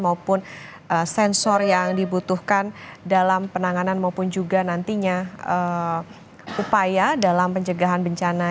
maupun sensor yang dibutuhkan dalam penanganan maupun juga nantinya upaya dalam pencegahan bencana